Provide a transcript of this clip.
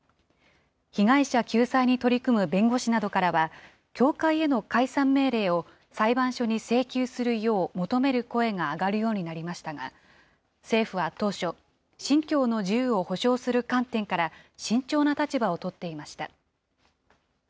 被害者救済に取り組む弁護士などからは、教会への解散命令を裁判所に請求するよう求める声が上がるようになりましたが、政府は当初、信教の自由を保障する観点から、慎重な立場を取っていました。